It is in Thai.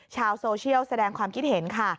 ชาวโซเชียลแสดงความคิดเห็นค่ะ